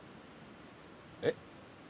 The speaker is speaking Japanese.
えっ？